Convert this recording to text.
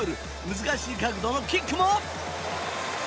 難しい角度のキックも。